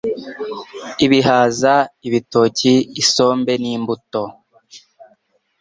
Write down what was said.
ibihaza, ibitoki, isombe n'imbuto